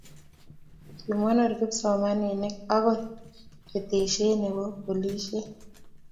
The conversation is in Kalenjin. kimonor kipsomaninik okoi keteshe ne bo polishie.